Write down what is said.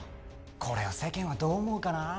これを世間はどう思うかな？